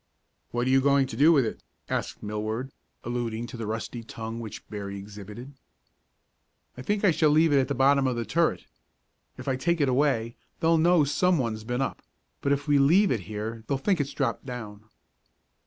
"What are you going to do with it?" asked Millward, alluding to the rusty tongue which Berry exhibited. "I think I shall leave it at the bottom of the turret. If I take it away they'll know some one's been up, but if we leave it here they'll think it's dropped down."